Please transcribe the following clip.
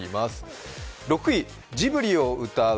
６位、ジブリをうたう。